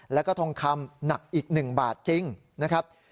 แล้วก็ทองคำหนักอีก๑บาทจริงนะครับ